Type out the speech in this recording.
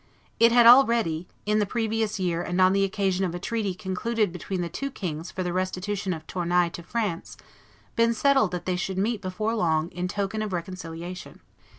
It had already, in the previous year and on the occasion of a treaty concluded between the two kings for the restitution of Tournai to France, been settled that they should meet before long in token of reconciliation.